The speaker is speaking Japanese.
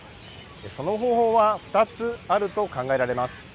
その方法は２つあると考えられます。